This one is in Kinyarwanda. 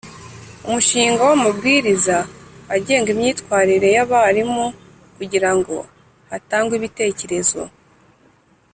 Umushinga w’amabwiriza agenga imyitwarire y’ abarimu kugira ngo hatangwe ibitekerezo